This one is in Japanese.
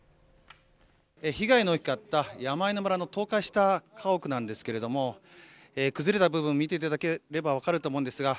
被害の大きかった山あいの村の倒壊した家屋なんですけれども崩れた部分、見ていただければ分かると思うんですが